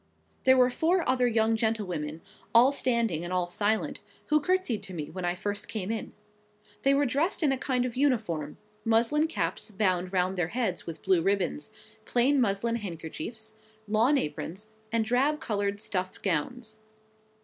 There were four other young gentlewomen, all standing, and all silent, who curtsied to me when I first came in. They were dressed in a kind of uniform: muslin caps bound round their heads with blue ribbons, plain muslin handkerchiefs, lawn aprons, and drab coloured stuff gowns.